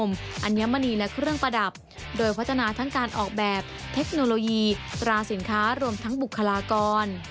อัญมณีและเครื่องประดับโดยพัฒนาทั้งการออกแบบเทคโนโลยีตราสินค้ารวมทั้งบุคลากร